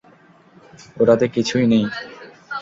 ওটাতে কিছুই নেই!